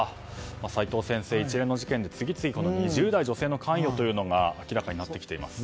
齋藤先生、一連の事件で次々２０代女性の関与というのが明らかになってきています。